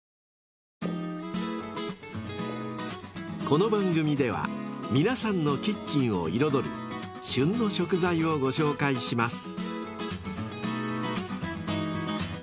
［この番組では皆さんのキッチンを彩る「旬の食材」をご紹介します］